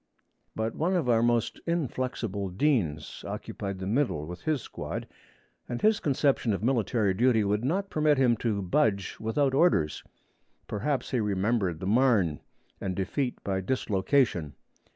But one of our most inflexible deans occupied the middle with his squad, and his conception of military duty would not permit him to budge without orders. Perhaps he remembered the Marne and defeat by dislocation.